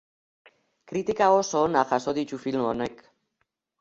Kritika oso onak jaso ditu film honek.